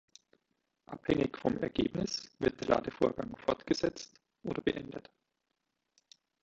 Abhängig vom Ergebnis wird der Ladevorgang fortgesetzt oder beendet.